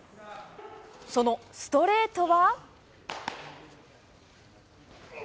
そのストレートは。